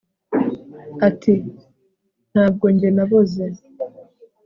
ati ntabwo njye naboze